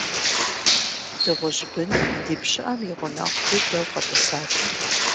Дыгъужь бын ди пщыӀэм и гъунэгъу дыдэу къэтӀысат.